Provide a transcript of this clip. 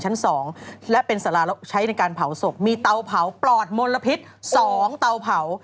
ชั้น๒และเป็นสาราใช้ในการเผาศพมีเตาเผาปลอดมลพิษ๒เตาเผา